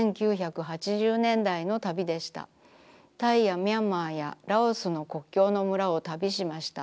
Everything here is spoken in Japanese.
タイやミャンマーやラオスの国境の村を旅しました。